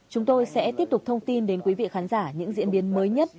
chúng tôi sẽ tiếp tục thông tin đến quý vị khán giả những diễn biến mới nhất